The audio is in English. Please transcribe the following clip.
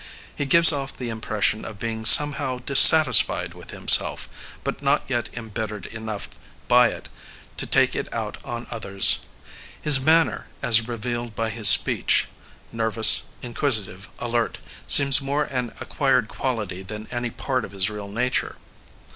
He gives off the impression of being somehow dissatisfied with himself, but not yet embittered enough by it to take it out on others. His manner, as re vealed by his speech nervous, inquisitive, alert seems more an acquired quality than any part of his real nature.